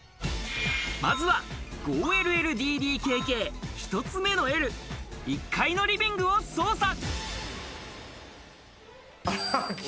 まずは５ＬＬＤＤＫＫ、一つ目のＬ、１階のリビングを捜査。